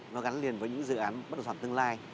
nó gắn liền với những dự án bất đồng toàn tương lai